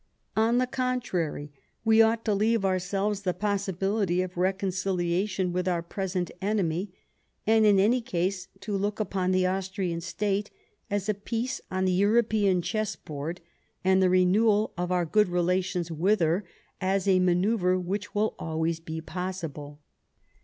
On the contrary, we ought to leave ourselves the possi bility of reconciliation with our present enemy, and in any case to look upon the Austrian State as a piece on the European chess board, and the renewal of our good relations with her as a manoeuvre which will always be possible.